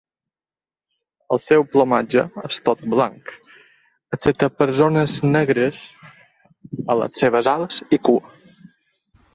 El seu plomatge és tot blanc excepte per zones negres a les seves ales i cua.